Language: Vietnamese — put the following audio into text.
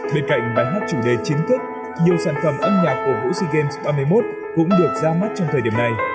bên cạnh bài hát chủ đề chính thức nhiều sản phẩm âm nhạc cổ vũ sea games ba mươi một cũng được ra mắt trong thời điểm này